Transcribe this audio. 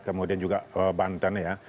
kemudian juga banten ya